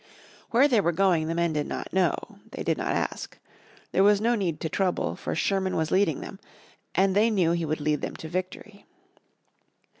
Where they were going the men did not know. They did not ask. There was no need to trouble, for Sherman was leading them, and they knew he would lead them to victory.